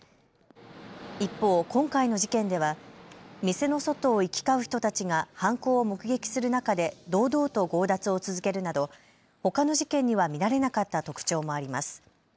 一方、今回の事件では店の外を行き交う人たちが犯行を目撃する中で堂々と強奪を続けるなど、ほかの事件には見られなかった特徴もあります。